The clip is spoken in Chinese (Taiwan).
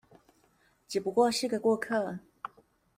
只不過是個過客